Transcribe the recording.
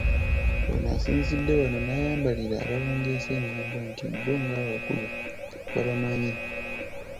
Ono asinzidde wano n'ayambalira ababungeesa eng'ambo nti bo ng'abakulu babamanyi